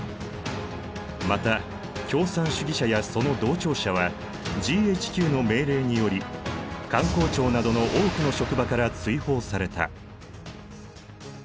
また共産主義者やその同調者はＧＨＱの命令により官公庁などの多くの職場から追放された。